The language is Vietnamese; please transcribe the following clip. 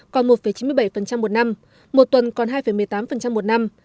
lãi suất qua đêm còn một chín mươi bảy một năm một tuần còn hai một mươi tám một năm